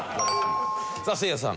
さあせいやさん。